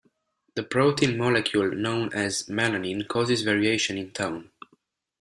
The protein molecule known as melanin causes variation in tone.